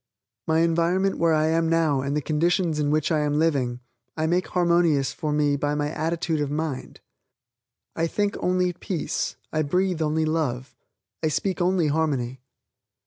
My environment where I am now and the conditions in which I am living, I make harmonize for me by my attitude of mind. I think only peace, I breathe only love, I speak only harmony.